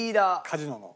カジノの。